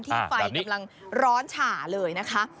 ไฟกำลังร้อนฉ่าเลยนะคะ